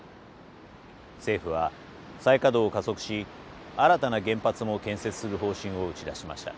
政府は再稼働を加速し新たな原発も建設する方針を打ち出しました。